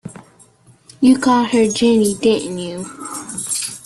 You called her Jenny, didn't you?